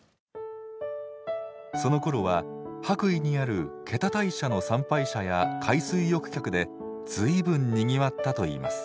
そのころは羽咋にある気多大社の参拝者や海水浴客で随分にぎわったと言います。